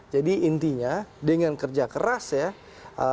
jadi intinya dengan kerja keras ya